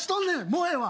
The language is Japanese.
もうええわ！